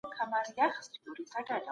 د پانګه والو ظلم پای ته ورسوئ.